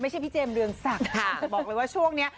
ไม่ใช่พี่เจมส์เรือนศักดิ์บอกเลยว่าช่วงนี้